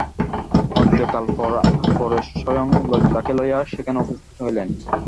অনতিকাল পরে পরেশ স্বয়ং ললিতাকে লইয়া সেখানে উপস্থিত হইলেন।